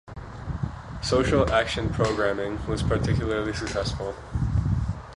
Social action programming was particularly successful.